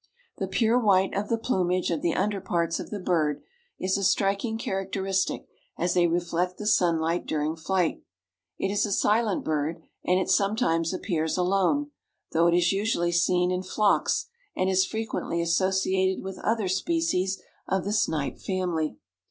The pure white of the plumage of the under parts of the bird is a striking characteristic as they reflect the sunlight during flight. It is a silent bird and it sometimes appears alone, though it is usually seen in flocks and is frequently associated with other species of the snipe family.